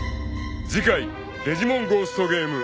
［次回『デジモンゴーストゲーム』］